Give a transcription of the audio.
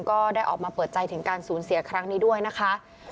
ก็ได้ออกมาเปิดใจถึงการสูญเสียครั้งนี้ด้วยนะคะ